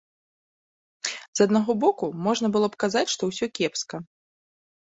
З аднаго боку, можна было б казаць, што ўсё кепска.